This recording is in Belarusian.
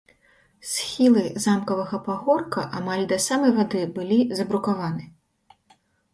Схілы замкавага пагорка амаль да самай вады былі забрукаваны.